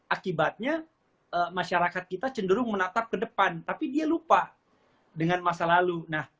akibatnya masyarakat kita cenderung menatap ke depan tapi dia lupa dengan masa lalu